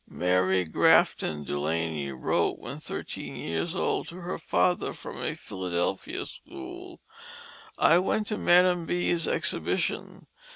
Mary Grafton Dulany wrote when thirteen years old to her father, from a Philadelphia school: "I went to Madame B.s exhibition.